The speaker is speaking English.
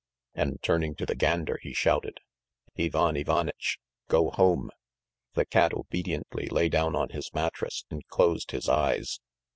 And turning to the gander he shouted: "Ivan Ivanitch, go home!" The cat obediently lay down on his mattress and closed his eyes.